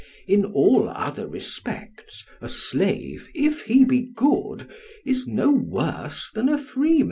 In all other respects a slave, if he be good, is no worse than a freeman."